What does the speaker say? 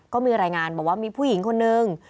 ก็มีรายงานบอกว่ามีผู้หญิงคนนึง